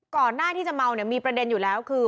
ก่อนหน้าที่จะเมาเนี่ยมีประเด็นอยู่แล้วคือ